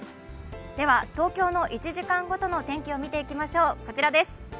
では東京の１時間ごとの天気を見ていきましょう。